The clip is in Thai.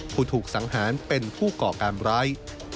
ผู้ถูกสังหารเป็นผู้ก่อการร้าย